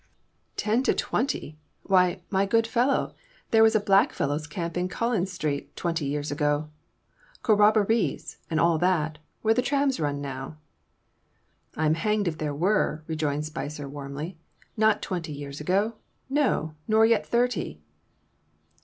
"Ten to twenty! Why, my good fellow, there was a blackfellows' camp in Collins Street, twenty years ago! Corrobborees, and all that, where the trams run now." "I'm hanged if there were," rejoined Spicer warmly. "Not twenty years ago, no, nor yet thirty!"